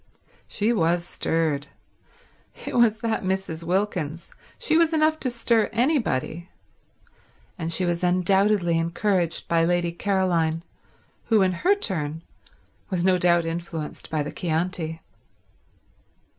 She was stirred. It was that Mrs. Wilkins. She was enough to stir anybody. And she was undoubtedly encouraged by Lady Caroline, who, in her turn, was no doubt influenced by the Chianti.